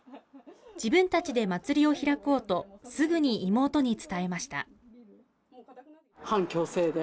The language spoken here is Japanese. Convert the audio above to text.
自分たちで祭りを開こうとすぐに妹に伝えました。